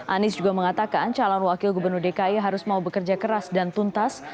anies juga mengatakan calon wakil gubernur dki harus mau bekerja keras dan tuntas